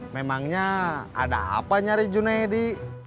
memangnya ada apa nyari junaidi